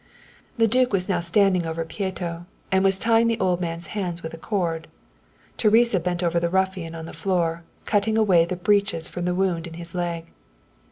The duke was now standing over Pieto, and was tying the old man's hands with a cord. Teresa bent over the ruffian on the floor, cutting away the breeches from the wound in his leg.